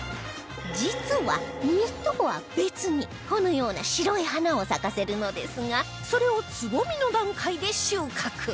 実は実とは別にこのような白い花を咲かせるのですがそれをつぼみの段階で収穫